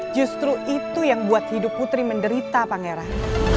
justru itu yang buat hidup putri menderita pangeran